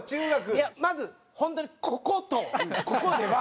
いやまずホントにこことここでは。